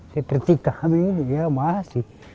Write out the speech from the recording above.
seperti kami ini